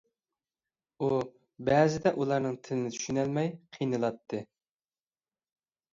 ئۇ بەزىدە ئۇلارنىڭ تىلىنى چۈشىنەلمەي قىينىلاتتى.